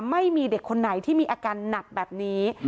ไม่มีเด็กคนไหนที่มีอาการหนักแบบนี้